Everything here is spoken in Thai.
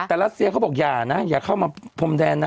แต่รัสเซียเขาบอกอย่านะอย่าเข้ามาพรมแดนนะ